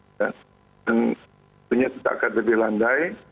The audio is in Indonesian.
dan tentunya kita akan lebih landai